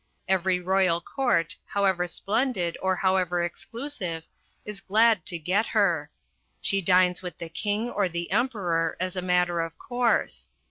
Every royal court, however splendid or however exclusive, is glad to get her. She dines with the King or the Emperor as a matter of course.